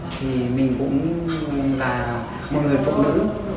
thì mình cũng là một người phụ nữ